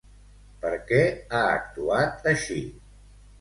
Per què ha actuat així?